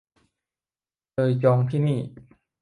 เลยจองที่นี่